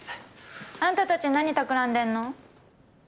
あんたたち何たくらんでんの？